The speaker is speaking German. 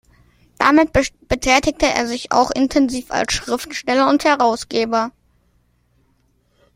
Dabei betätigte er sich auch intensiv als Schriftsteller und Herausgeber.